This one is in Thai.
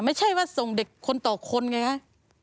ไม่ใช่ว่าส่งเด็กคนต่อคนไงคะ